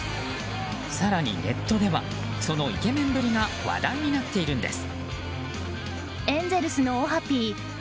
更にネットではそのイケメンぶりが話題になっているんです。